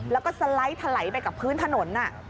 แล้วก็สไลด์ถลายไปกับพื้นถนน